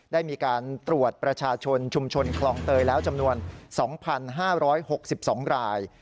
ได้มีการตรวจประชาชนชุมชนคลองเตยแล้วจำนวน๒๕๖๒ราย